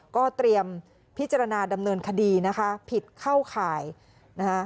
ก็เตรียมพิจารณาดำเนินคดีนะคะผิดเข้าข่ายนะคะ